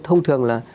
thông thường là